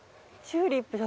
チューリップ。